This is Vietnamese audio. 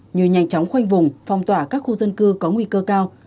như nhanh chóng khoanh vùng phong tỏa các khu dân cư có nguy cơ cao